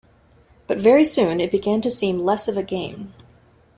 But very soon it began to seem less of a game.